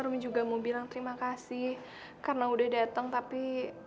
romi juga mau bilang terima kasih karena udah datang tapi